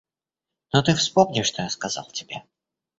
Но ты вспомни, что я сказал тебе.